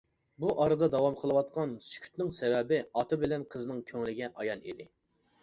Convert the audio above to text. بۇ ئارىدا داۋام قىلىۋاتقان سۈكۈتنىڭ سەۋەبى ئاتا بىلەن قىزنىڭ كۆڭلىگە ئايان ئىدى.